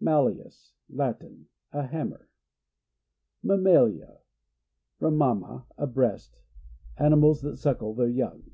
Malleus. — Latin. A hammer. Mammalia. — From mamma, a breast. Animals that suckle their young.